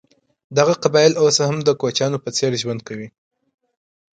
دغه قبایل اوس هم د کوچیانو په څېر ژوند کوي.